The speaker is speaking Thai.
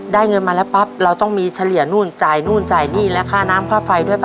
เงินมาแล้วปั๊บเราต้องมีเฉลี่ยนู่นจ่ายนู่นจ่ายหนี้และค่าน้ำค่าไฟด้วยป่